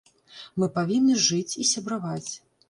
Мы павінны жыць і сябраваць.